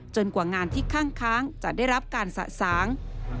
กว่างานที่ข้างจะได้รับการสะสาง